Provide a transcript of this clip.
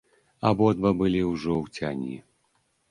Абодва былі ўжо ў цяні.